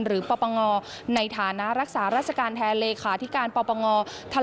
หรือประปังอนั้นในฐานะรักษาราชการแทนเลขาที่การประปังอนั้น